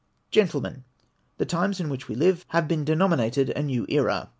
GrENTLEMEN, — The times in which we live have been de nominated a new era.